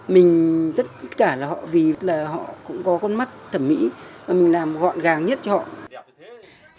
mình tất cả là họ vì là họ cũng có con mắt thẩm mỹ và mình làm gọn gàng nhất cho họ